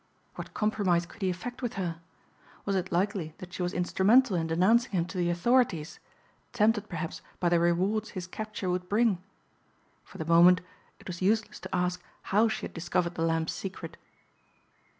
What compromise could he effect with her? Was it likely that she was instrumental in denouncing him to the authorities, tempted perhaps by the rewards his capture would bring? For the moment it was useless to ask how she had discovered the lamp's secret.